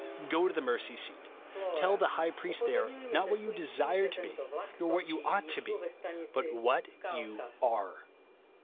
Go to the mercy seat. Tell the High Priest there, not what you desire to be, nor what you ought to be, but wJiat you are.